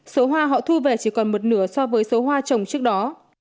số hoa họ thu về chỉ còn một nửa so với số hoa trồng trước đó